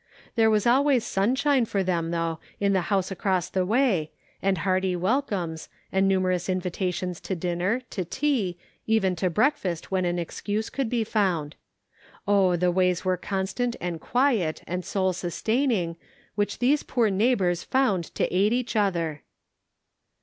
There was always sunshine for them, though, in the house across the way, and hearty welcomes, and numerous invitations to dinner, to tea, even to breakfast when a excuse could be found. Oh, the ways were constant and quiet and soul sustaining, which these poor neighbors found to aid each other.